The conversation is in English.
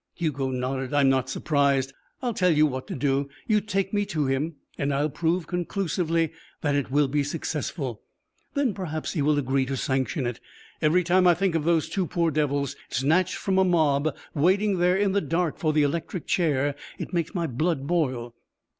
Hugo nodded. "I'm not surprised. I'll tell you what to do. You take me to him and I'll prove conclusively that it will be successful. Then, perhaps, he will agree to sanction it. Every time I think of those two poor devils snatched from a mob waiting there in the dark for the electric chair it makes my blood boil."